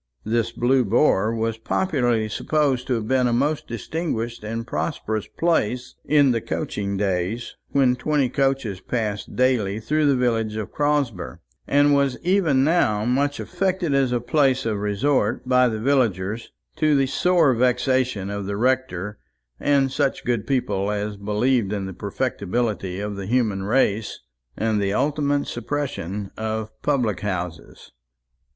This Blue Boar was popularly supposed to have been a most distinguished and prosperous place in the coaching days, when twenty coaches passed daily through the village of Crosber; and was even now much affected as a place of resort by the villagers, to the sore vexation of the rector and such good people as believed in the perfectibility of the human race and the ultimate suppression of public houses.